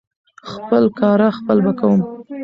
خپل کاره خپل به کوم .